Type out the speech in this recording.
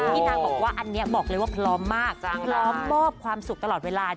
นางบอกว่าอันนี้บอกเลยว่าพร้อมมากพร้อมมอบความสุขตลอดเวลา